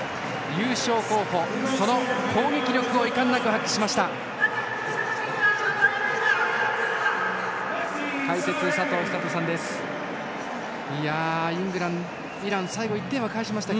優勝候補、その攻撃力を遺憾なく発揮しました。